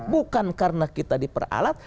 bukan karena kita diperalat